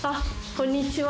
こんにちは。